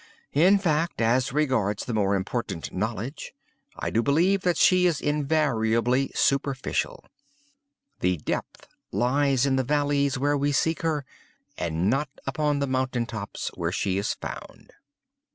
In fact, as regards the more important knowledge, I do believe that she is invariably superficial. The depth lies in the valleys where we seek her, and not upon the mountain tops where she is found.